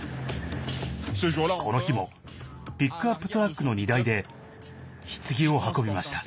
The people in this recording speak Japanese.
この日もピックアップトラックの荷台でひつぎを運びました。